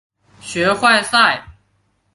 学坏晒！